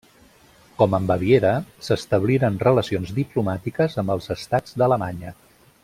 Com amb Baviera, s'establiren relacions diplomàtiques amb els estats d'Alemanya.